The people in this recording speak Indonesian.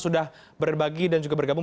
sudah berbagi dan juga bergabung